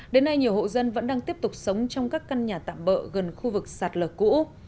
đến nay nhiều hộ dân vẫn đang tiếp tục sống trong các căn nhà tạm bỡ gần khu vực sạt lở cũ